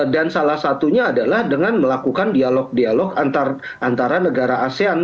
dan salah satunya adalah dengan melakukan dialog dialog antara negara asean